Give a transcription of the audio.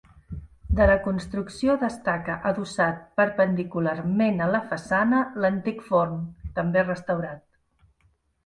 De la construcció destaca adossat perpendicularment a la façana l'antic forn, també restaurat.